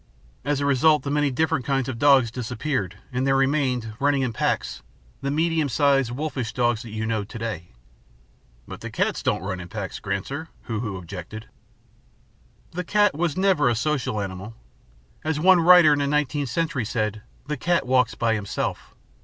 As a result, the many different kinds of dogs disappeared, and there remained, running in packs, the medium sized wolfish dogs that you know to day." "But the cats don't run in packs, Granser," Hoo Hoo objected. "The cat was never a social animal. As one writer in the nineteenth century said, the cat walks by himself.